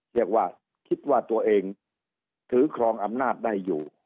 คิดว่าคิดว่าตัวเองถือครองอำนาจได้อยู่